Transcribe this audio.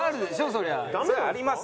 それはあります。